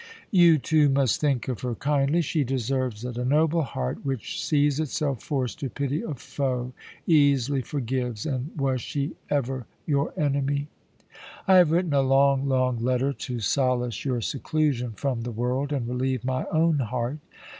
"You, too, must think of her kindly. She deserves it. A noble heart which sees itself forced to pity a foe, easily forgives; and was she ever your enemy? "I have written a long, long letter to solace your seclusion from the world and relieve my own heart.